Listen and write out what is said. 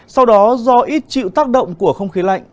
sau đó do ít chịu tác động của không khí lạnh